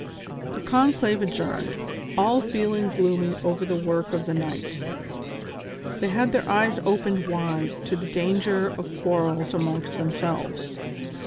The conclave adjourned, all feeling gloomy over the work of the night. They had their eyes opened wide to the dan ger of quarrels amongst themselves.